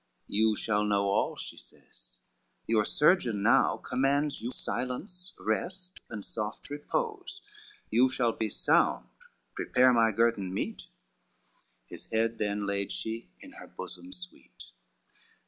"You shall know all," she says, "your surgeon now Commands you silence, rest and soft repose, You shall be sound, prepare my guerdon meet," His head then laid she in her bosom sweet.